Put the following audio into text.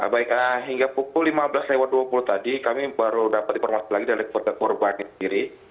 baik hingga pukul lima belas dua puluh tadi kami baru dapat informasi lagi dari keluarga korban sendiri